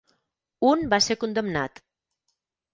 Un va ser condemnat.